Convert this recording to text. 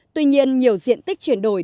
tuy nhiên nhiều diện tích chuyển đổi